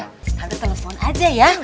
tante telepon aja ya